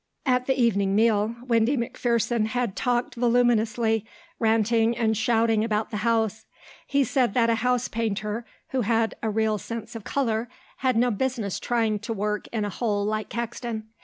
At the evening meal Windy McPherson had talked voluminously, ranting and shouting about the house. He said that a housepainter who had a real sense of colour had no business trying to work in a hole like Caxton.